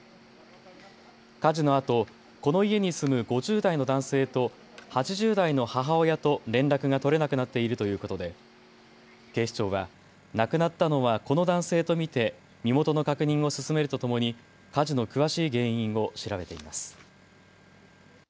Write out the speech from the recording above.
火事のあと、この家に住む５０代の男性と８０代の母親と連絡が取れなくなっているということで警視庁は亡くなったのはこの男性と見て身元の確認を進めるとともに火事の詳しい原因を調べています。